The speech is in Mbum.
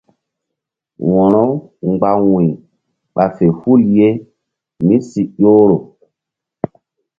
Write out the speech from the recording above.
Wo̧ro-u mgba wu̧y ɓa fe hul ye mí si ƴohro.